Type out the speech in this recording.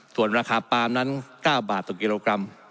ส่วนราคาปลาเงินมาจ้างก็เก้าบาทกิโลกรัม